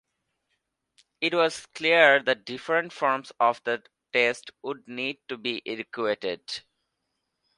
It was clear that different forms of the test would need to be equated.